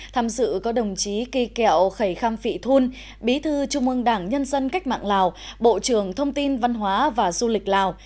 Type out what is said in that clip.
tham dự có đồng chí kỳ kẹo khẩy khăm phị thun bí thư trung ương đảng nhân dân cách mạng lào bộ trưởng thông tin văn hóa và du lịch lào